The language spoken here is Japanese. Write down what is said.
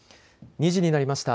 ２時になりました。